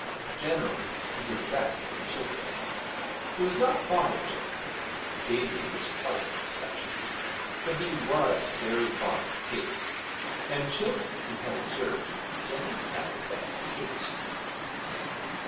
Generally he did best with children. He was not fond of children (Daisy was quite an exception), but he was very fond of cakes, and children, he had observed, generally had the best cakes.